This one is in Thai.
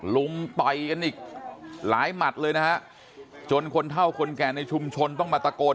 ลุมต่อยกันอีกหลายหมัดเลยนะฮะจนคนเท่าคนแก่ในชุมชนต้องมาตะโกน